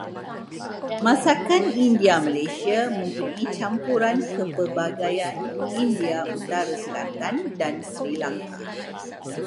Masakan India Malaysia mempunyai campuran kepelbagaian India utara-selatan dan Sri Lanka.